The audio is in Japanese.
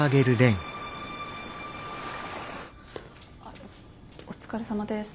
あっお疲れさまです。